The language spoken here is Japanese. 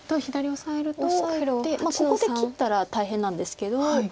オサえてここで切ったら大変なんですけど。